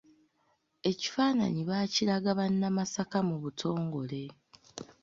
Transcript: Ekifaananyi baakiraga bannamasaka mu butongole.